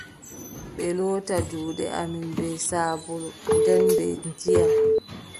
Ɓe loota juuɗe amin bee saabulu, nden be ndiyam!